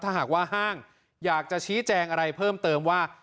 ถ้าหากว่าห้างอยากจะชี้แจงอะไรเพิ่มเติมว่า